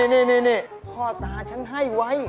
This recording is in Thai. นี่พ่อตาฉันให้ไว้